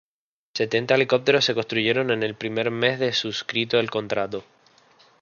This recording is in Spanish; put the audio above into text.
Setenta helicópteros se construyeron en el primer mes de suscrito el contrato.